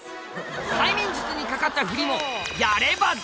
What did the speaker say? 催眠術にかかったフリもやればできる？